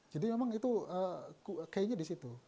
jadi memang itu kayaknya di situ